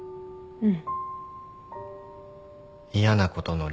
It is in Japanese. うん。